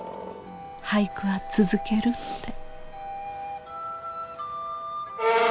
俳句は続けるって。